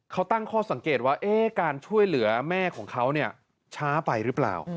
เขาตั้งข้อสังเกตว่าการช่วยเหลือแม่ของเขาช้าไปหรือเปล่า